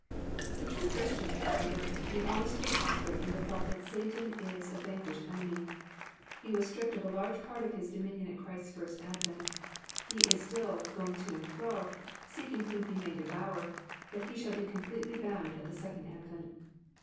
The true Christian, however, may always take comfort in the thought that Satan is a van quished enemy. He was stripped of a large part of his domin ion at Christ's first advent. He is still going to and fto,'* seeking whom he may devour ; but he shall be completely bound at the second advent.